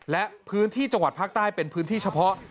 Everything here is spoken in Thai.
และพื้นที่จังหวัดภาคใต้เป็นพื้นที่เฉพาะ